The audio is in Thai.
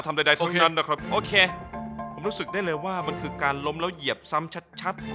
ผมรู้สึกได้เลยว่ามันคือการล้มแล้วเหยียบซ้ำชัด